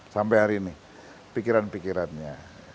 sampai hari ini pikiran pikirannya